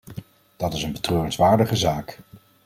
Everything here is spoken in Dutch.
Dat is een betreurenswaardige zaak.